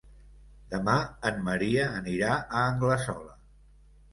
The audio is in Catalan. Demà en Maria anirà a Anglesola.